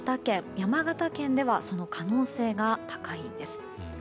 山形県ではその可能性が高いんです。